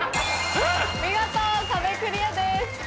見事壁クリアです。